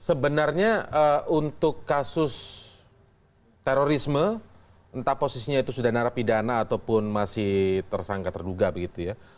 sebenarnya untuk kasus terorisme entah posisinya itu sudah narapidana ataupun masih tersangka terduga begitu ya